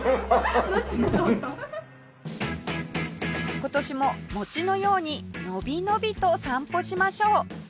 今年も餅のように伸び伸びと散歩しましょう